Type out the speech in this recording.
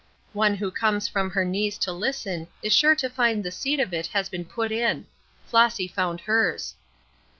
One who comes from her knees to listen is sure to find the seed if it has been put in. Flossy found hers.